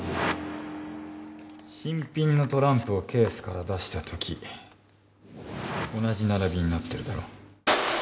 新品のトランプをケースから出したとき同じ並びになってるだろ。